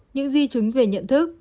những di chứng về nhận thức